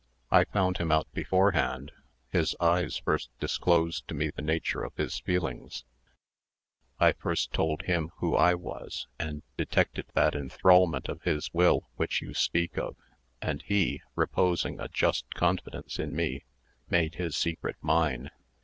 I found him out beforehand: his eyes first disclosed to me the nature of his feelings; I first told him who I was, and detected that enthralment of his will which you speak of; and he, reposing a just confidence in me, made his secret mine.